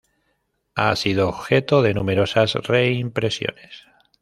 Ha sido objeto de numerosas reimpresiones.